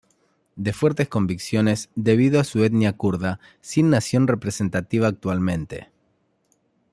De fuertes convicciones debido a su etnia kurda sin nación representativa actualmente.